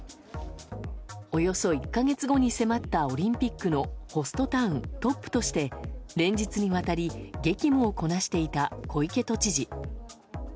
およそ１か月後に迫ったオリンピックのホストタウントップとして連日にわたり激務をこなしていた小池都知事。